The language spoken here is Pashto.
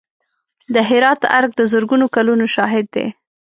د هرات ارګ د زرګونو کلونو شاهد دی.